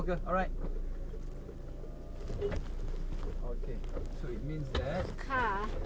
เขาจะเริ่มแล้วนะคะ